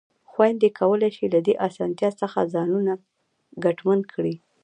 خویندې کولای شي له دې اسانتیا څخه ځانونه ګټمن کړي.